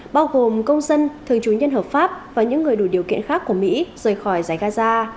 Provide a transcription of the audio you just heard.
bao gồm công dân thường chủ nhân hợp pháp và những người đủ điều kiện khác của mỹ rời khỏi giải gaza